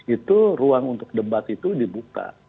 itu ruang untuk debat itu dibuka